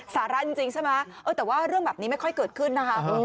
สาระจริงใช่ไหมแต่ว่าเรื่องแบบนี้ไม่ค่อยเกิดขึ้นนะคะ